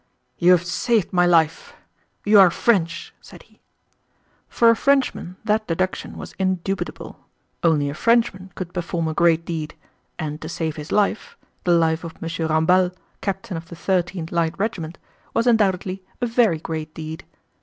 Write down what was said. "You have saved my life. You are French," said he. For a Frenchman that deduction was indubitable. Only a Frenchman could perform a great deed, and to save his life—the life of M. Ramballe, captain of the 13th Light Regiment—was undoubtedly a very great deed.